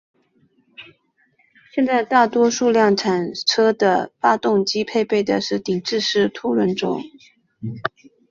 现在大多数量产车的发动机配备的是顶置式凸轮轴。